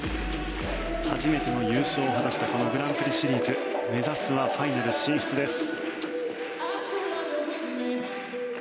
初めての優勝を果たしたこのグランプリシリーズ目指すはファイナル進出です。